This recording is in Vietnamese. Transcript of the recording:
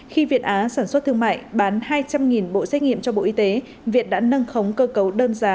khi việt á sản xuất thương mại bán hai trăm linh bộ xét nghiệm cho bộ y tế việt đã nâng khống cơ cấu đơn giá